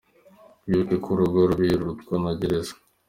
Wibuke ko urugo rubi rurutwa na gereza.